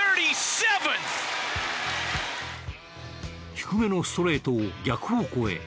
低めのストレートを逆方向へ。